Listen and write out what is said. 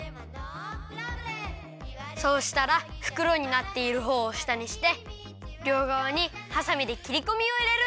そうしたらふくろになっているほうをしたにしてりょうがわにはさみできりこみをいれる！